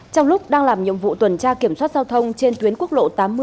trong lúc đang làm nhiệm vụ tuần tra kiểm soát giao thông trên tuyến quốc lộ tám mươi